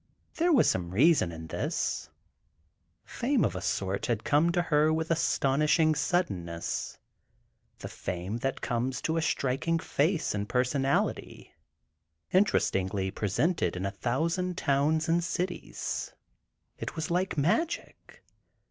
There was some reason in this: fame of a sort had come to her with astonishing suddenness—the fame that comes to a striking face and personality, interestingly presented in a thousand towns and cities. It was like magic.